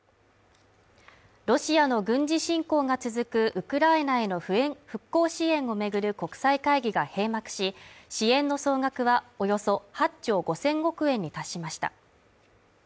ロシアの軍事侵攻が続くウクライナへの復興支援を巡る国際会議が閉幕し、支援の総額はおよそ８兆５０００億円に達しました。